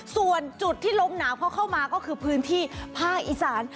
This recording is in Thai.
ส่วนจุดที่ลมหนาวเขาเข้ามาก็คือพื้นที่ภาคอีสาน